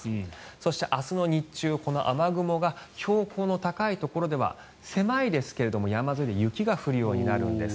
そして、明日の日中この雨雲が標高の高いところでは狭いですけれども山沿いで雪が降るようになるんです。